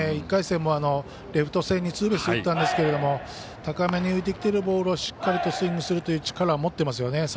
１回戦も、レフト線にツーベース打ったんですが高めに浮いてきているボールをしっかりとスイングする力を持っていますね。